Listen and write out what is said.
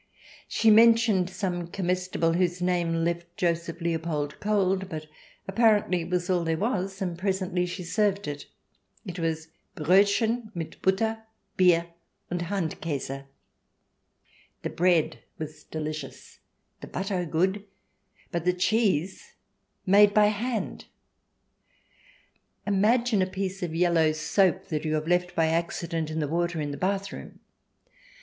She mentioned some comestible whose name left Joseph Leopold cold, but apparently it was all there was, and presently she served it. It was " Brodchen mit Butter, Bier, und Handkase." The bread was CH. XIV] GREAT DANES AND MICE 189 delicious, the butter good, but the cheese, made by hand !... Imagine a piece of yellow soap that you have left by accident in the water in the bath room